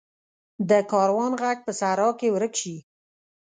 د کاروان ږغ په صحرا کې ورک شي.